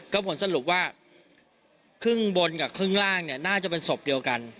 ก็ผลสรุปว่าครึ่งบนกับครึ่งล่างเนี่ยน่าจะเป็นศพเดียวกัน